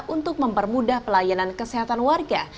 untuk mempermudah pelayanan kesehatan warga